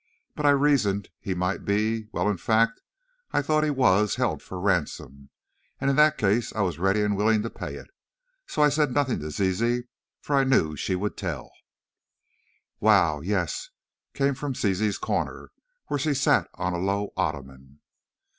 But, I reasoned, he might be, well in fact, I thought he was, held for ransom, and in that case I was ready and willing to pay it. So, I said nothing to Zizi, for I knew she would tell " "Wow! Yes!" came from Zizi's corner, where she sat on a low ottoman.